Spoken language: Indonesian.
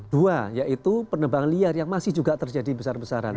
dua yaitu penebang liar yang masih juga terjadi besar besaran